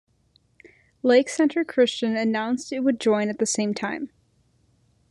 Lake Center Christian announced it would join at the same time.